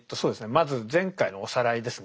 まず前回のおさらいですね。